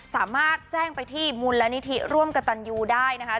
สามารถแจ้งไปที่มูลนิธิร่วมกับตันยูได้นะคะ